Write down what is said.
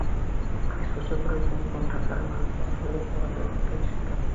স্পর্শ করেই চমকে ওঠে, কারণ মানুষটার শরীর বরফের মতোই শীতল।